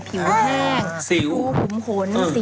ผิวแห้งปุ่มขนสิว